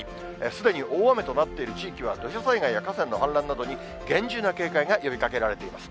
すでに大雨となっている地域は土砂災害や河川の氾濫などに厳重な警戒が呼びかけられています。